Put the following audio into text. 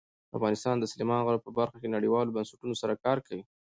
افغانستان د سلیمان غر په برخه کې نړیوالو بنسټونو سره کار کوي.